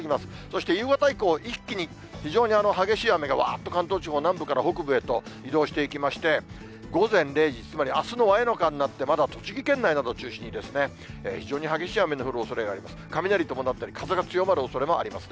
そして夕方以降、一気に非常に激しい雨が、わーっと関東地方南部から北部へと移動していきまして、午前０時、つまりあすの真夜中になって、まだ栃木県内などを中心に、非常に激しい雨の降るおそれがあります。